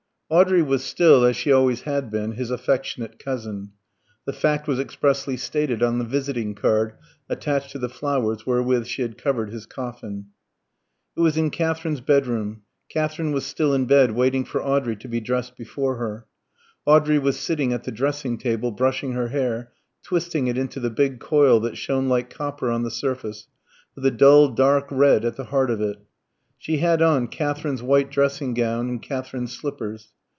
Audrey was still (as she always had been) his affectionate cousin. The fact was expressly stated on the visiting card attached to the flowers wherewith she had covered his coffin. It was in Katherine's bedroom. Katherine was still in bed, waiting for Audrey to be dressed before her. Audrey was sitting at the dressing table brushing her hair, twisting it into the big coil that shone like copper on the surface, with a dull dark red at the heart of it. She had on Katherine's white dressing gown and Katherine's slippers.